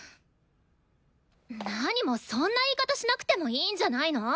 なにもそんな言い方しなくてもいいんじゃないの？